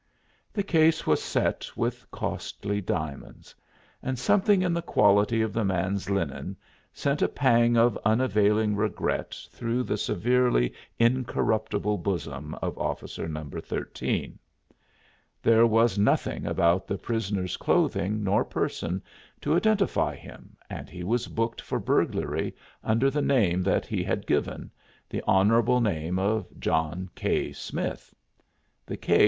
The case was set with costly diamonds; and something in the quality of the man's linen sent a pang of unavailing regret through the severely incorruptible bosom of Officer No. 13. There was nothing about the prisoner's clothing nor person to identify him and he was booked for burglary under the name that he had given, the honorable name of John K. Smith. The K.